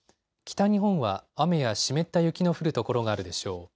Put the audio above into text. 北日本は雨や湿った雪の降る所があるでしょう。